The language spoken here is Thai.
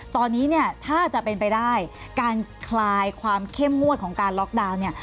ตอนนี้เนี่ยถ้าจะเป็นไปได้การคลายความเข้มงวดของการล็อกดาวน์เนี่ย